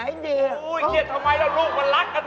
เครียดทำไมแล้วลูกมันรักกัน